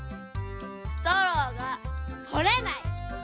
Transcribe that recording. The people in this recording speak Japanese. ストローが取れない。